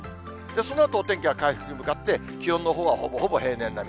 そのあとお天気は回復に向かって、気温のほうはほぼほぼ平年並み。